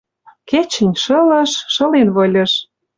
Кечӹнь шылыш, шылен выльыш